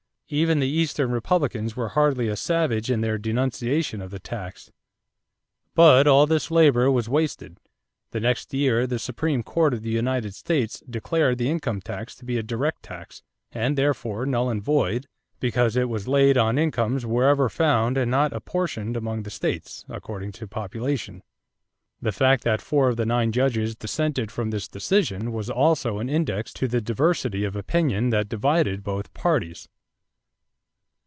Even the Eastern Republicans were hardly as savage in their denunciation of the tax. But all this labor was wasted. The next year the Supreme Court of the United States declared the income tax to be a direct tax, and therefore null and void because it was laid on incomes wherever found and not apportioned among the states according to population. The fact that four of the nine judges dissented from this decision was also an index to the diversity of opinion that divided both parties.